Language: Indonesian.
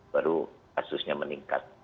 baru kasusnya meningkat